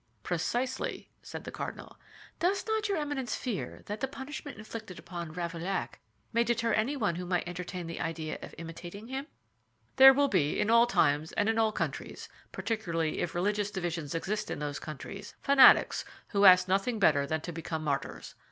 "Precisely," said the cardinal. "Does not your Eminence fear that the punishment inflicted upon Ravaillac may deter anyone who might entertain the idea of imitating him?" "There will be, in all times and in all countries, particularly if religious divisions exist in those countries, fanatics who ask nothing better than to become martyrs.